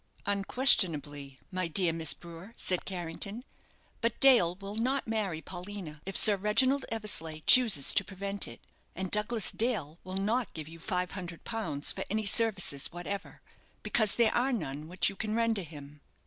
"Unquestionably, my dear Miss Brewer," said Carrington. "But Dale will not marry Paulina if Sir Reginald Eversleigh chooses to prevent it; and Douglas Dale will not give you five hundred pounds for any services whatever, because there are none which you can render him.